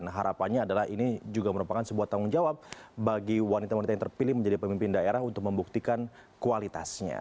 nah harapannya adalah ini juga merupakan sebuah tanggung jawab bagi wanita wanita yang terpilih menjadi pemimpin daerah untuk membuktikan kualitasnya